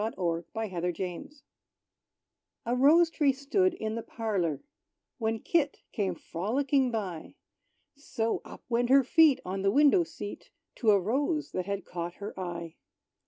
=Kit With the Rose= A Rose tree stood in the parlor, When Kit came frolicking by; So, up went her feet on the window seat, To a rose that had caught her eye.